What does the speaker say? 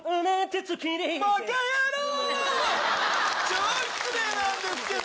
超失礼なんですけど！